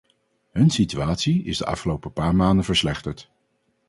Hun situatie is de afgelopen paar maanden verslechterd.